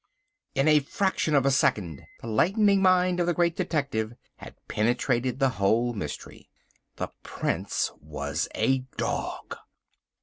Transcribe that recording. In a fraction of a second the lightning mind of the Great Detective had penetrated the whole mystery. THE PRINCE WAS A DOG!!!!